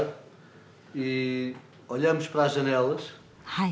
はい。